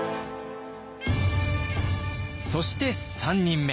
そして３人目。